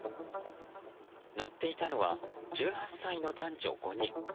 乗っていたのは１８歳の男女５人。